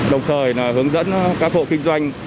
đồng thời hướng dẫn các hộ kinh doanh